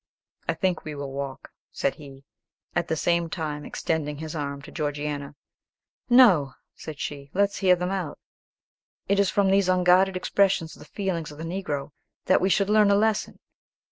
"I think we will walk," said he, at the same time extending his arm to Georgiana. "No," said she; "let's hear them out. It is from these unguarded expressions of the feelings of the Negroes, that we should learn a lesson."